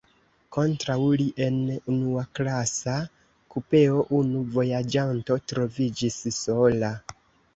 Kontraŭ li, en unuaklasa kupeo, unu vojaĝanto troviĝis sola.